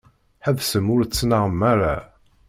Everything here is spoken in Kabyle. Ḥebsem ur ttnaɣem ara.